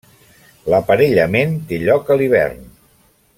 L'aparellament té lloc a l'hivern.